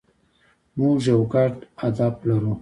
موږ یو ګډ هدف لرو.